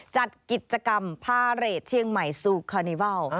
จัดกิจกรรมพาเรทเชียงใหม่ซูคานิวัล